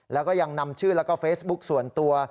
แล้วก็ยังนำชื่อแล้วก็เฟซบุ๊กส่วนตัว